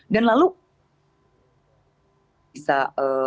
dan lalu bisa mengambil contoh lain ya ketika kita berada di negara negara